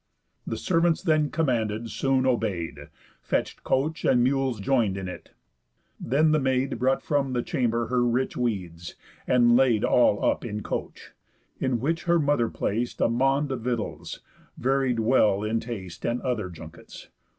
The servants then commanded soon obey'd, Fetch'd coach, and mules join'd in it. Then the Maid Brought from the chamber her rich weeds, and laid All up in coach; in which her mother plac'd A maund of victuals, varied well in taste, And other junkets.